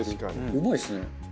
うまいですね。